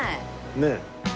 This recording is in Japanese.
ねえ。